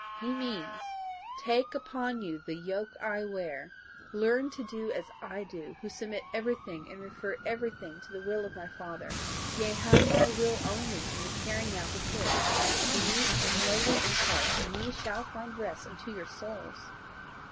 He means TAKE UPON YOU THE YOKE I WEAR; LEARN TO DO AS I DO, WHO SUBMIT EVERYTHING AND REFER EVERYTHING TO THE WILL OF MY FATHER, YEA HAVE MY WILL ONLY IN THE CARRYING OUT OF HIS: BE MEEK AND LOWLY IN HEART, AND YE SHALL FIND REST UNTO YOUR SOULS.